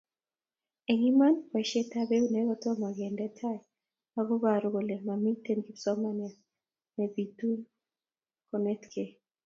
Eng iman boisietab eunek kotomo kende tai ak koboru kole mamitei kipsomaniat nebitunat konetkei